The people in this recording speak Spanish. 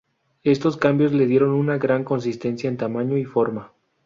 Estos cambios le dieron una gran consistencia en tamaño y forma.